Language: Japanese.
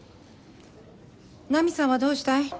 七海さんはどうしたい？